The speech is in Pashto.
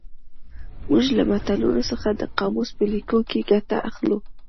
موږ له متلونو څخه د قاموس په لیکلو کې ګټه اخلو